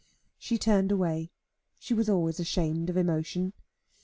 She turned away. She was always ashamed of emotion.